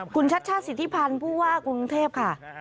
คุณชัชชาติสิทธิพันธ์ผู้ว่ากรุงเทพค่ะ